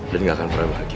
dan gak akan pernah lagi